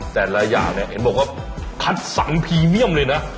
แต่ละอย่างเนี่ยเห็นบอกว่าคัดสรรพรีเมียมเลยนะ